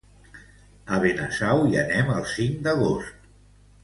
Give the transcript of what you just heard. A Benasau hi anem el cinc d'agost.